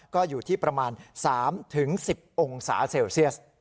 ก็อยู่ที่ประมาณ๓๑๐องศาเซลเซียส